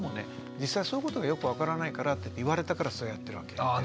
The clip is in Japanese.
実際そういうことがよく分からないからって言われたからそうやってるわけです。